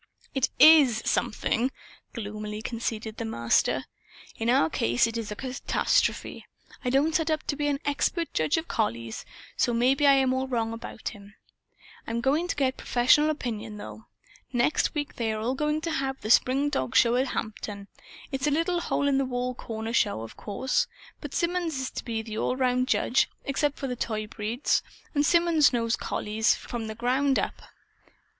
"It IS 'something,'" gloomily conceded the Master. "In our case it is a catastrophe. I don't set up to be an expert judge of collies, so maybe I am all wrong about him. I'm going to get professional opinion, though. Next week they are going to have the spring dogshow at Hampton. It's a little hole in a corner show, of course. But Symonds is to be the all around judge, except for the toy breeds. And Symonds knows collies, from the ground up.